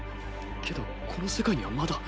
けどこの世界にはまだ。